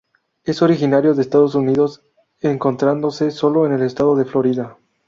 Es originario de Estados Unidos, encontrándose solo en el estado de Florida.